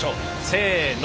せの。